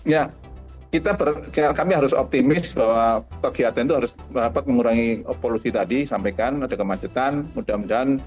ya kami harus optimis bahwa kegiatan itu harus mengurangi polusi tadi sampaikan ada kemacetan mudah mudahan